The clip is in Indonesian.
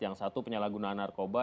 yang satu penyalahgunaan narkoba